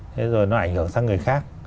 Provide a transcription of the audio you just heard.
thế rồi nó ảnh hưởng sang người khác